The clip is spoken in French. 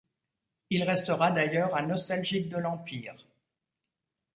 Il restera d'ailleurs un nostalgique de l'Empire.